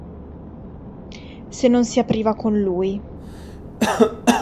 Se non si apriva con lui.